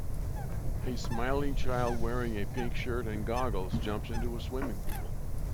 A smiling child wearing a pink shirt and goggles jumps into a swimming pool